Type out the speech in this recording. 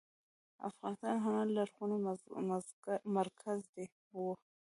افغانستان د هنر لرغونی مرکز و.